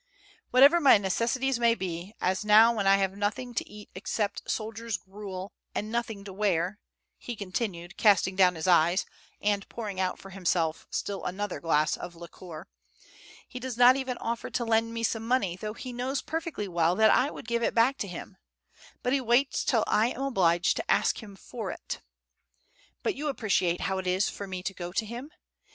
Whatever my necessities may be, as now when I have nothing to eat except soldiers' gruel, and nothing to wear," he continued, casting down his eyes, and pouring out for himself still another glass of liquor, "he does not even offer to lend me some money, though he knows perfectly well that I would give it back to him; but he waits till I am obliged to ask him for it. But you appreciate how it is for me to go to him.